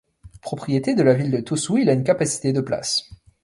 Propriété de la ville de Tosu, il a une capacité de places.